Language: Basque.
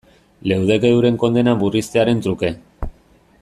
Leudeke euren kondena murriztearen truke.